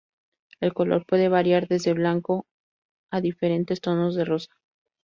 El color puede variar desde blanco a diferentes tonos de rosa.